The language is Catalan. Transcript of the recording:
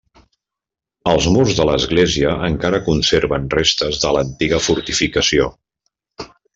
Els murs de l'església encara conserven restes de l'antiga fortificació.